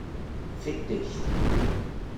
Fick dich!